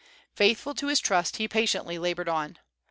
Faithful to his trust, he patiently labored on.